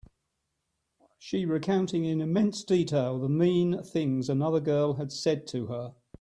She recounting in immense detail the mean things another girl had said to her.